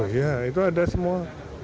oh iya itu ada semua